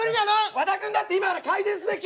和田君だって今から改善すべき。